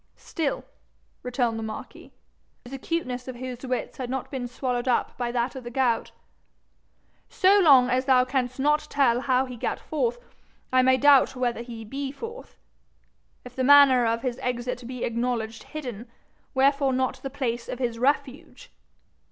'Still,' returned the marquis, the acuteness of whose wits had not been swallowed up by that of the gout, 'so long as thou canst not tell how he gat forth, I may doubt whether he be forth. If the manner of his exit be acknowledged hidden, wherefore not the place of his refuge?